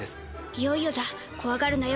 いよいよだ怖がるなよ